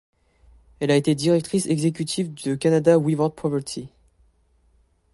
Elle a été directrice exécutive de Canada Without Poverty.